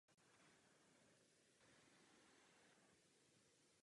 Studoval hudbu na Berklee College of Music.